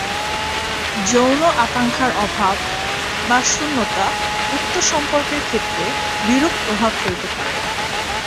যৌন আকাঙ্ক্ষার অভাব বা শূন্যতা উক্ত সম্পর্কের ক্ষেত্রে বিরূপ প্রভাব ফেলতে পারে।